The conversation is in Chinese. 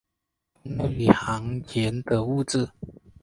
终尿里面是含氮的物质。